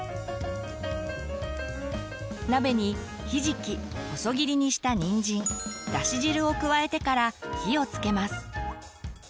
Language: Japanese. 鍋にひじき細切りにしたにんじんだし汁を加えてから火をつけます。